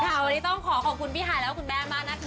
วันนี้ต้องขอขอบคุณพี่ฮายและคุณแม่มากนะคะ